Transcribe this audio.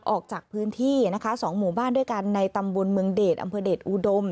ออกจากพื้นที่นะคะ๒หมู่บ้านด้วยกันในตำบลเมืองเดชอำเภอเดชอุดม